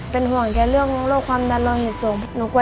เป็นห่วงแกเรื่องโรคความดันโลหิตสูง